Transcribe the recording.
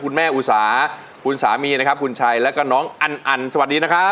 คุณแม่อุสาคุณสามีนะครับคุณชัยแล้วก็น้องอันอันสวัสดีนะครับ